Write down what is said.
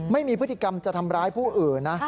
ไม่มีพฤติกรรมจะทำร้ายผู้อื่นนะ